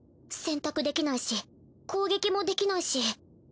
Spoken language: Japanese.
選択できないし攻撃もできないし。